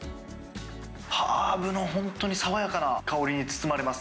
ハーブの本当に爽やかな香りに包まれます。